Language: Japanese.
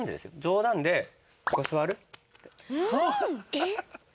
えっ！